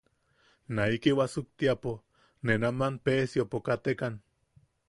Naiki wasuktiapo ne naman Peesiopo katekan.